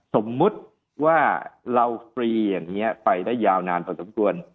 สมมุติว่าเราฟรีอย่างนี้ไปได้ยาวนานพอสมควร